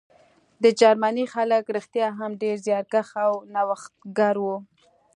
د جرمني خلک رښتیا هم ډېر زیارکښ او نوښتګر وو